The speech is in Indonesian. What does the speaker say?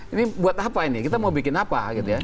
ini buat apa ini kita mau bikin apa